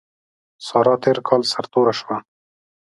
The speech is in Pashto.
سارا تېر کال سر توره شوه.